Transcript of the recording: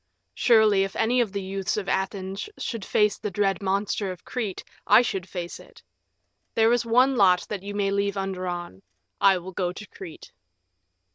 Surely, if any of the youths of Athens should face the dread monster of Crete, I should face it. There is one lot that you may leave undrawn. I will go to Crete."